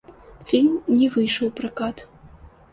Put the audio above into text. Фільм не выйшаў у пракат.